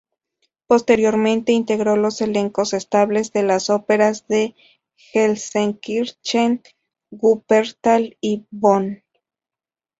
Posteriormente integró los elencos estables de las operas de Gelsenkirchen, Wuppertal y Bonn.